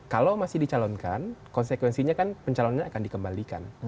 kalau masih dicalonkan konsekuensinya kan pencalonannya akan dikembalikan